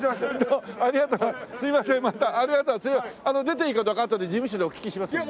出ていいかどうかあとで事務所にお聞きしますね。